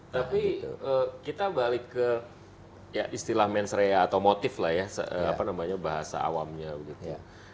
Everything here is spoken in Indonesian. tapi kita balik ke ya istilah mensrea atau motif lah ya apa namanya bahasa awamnya gitu